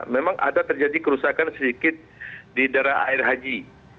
memang ada terjadi kerusakan sedikit di daerah air haji